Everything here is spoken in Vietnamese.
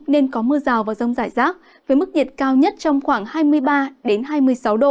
nên có mưa rào và rông rải rác với mức nhiệt cao nhất trong khoảng hai mươi ba hai mươi sáu độ